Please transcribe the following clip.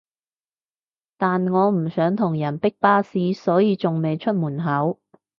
但我唔想同人逼巴士所以仲未出門口